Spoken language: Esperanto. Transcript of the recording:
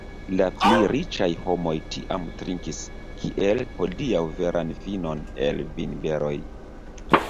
La pli riĉaj homoj tiam trinkis, kiel hodiaŭ veran vinon el vinberoj.